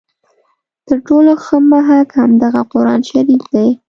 تر ټولو ښه محک همدغه قرآن شریف دی.